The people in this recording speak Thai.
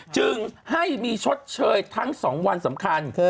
จึงให้มีชดเชยทั้ง๒วันสำคัญ